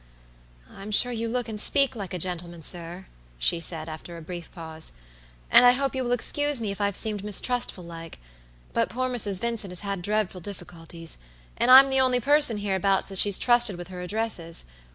"I'm sure you look and speak like a gentleman, sir," she said, after a brief pause, "and I hope you will excuse me if I've seemed mistrustful like; but poor Mrs. Vincent has had dreadful difficulties, and I'm the only person hereabouts that she's trusted with her addresses.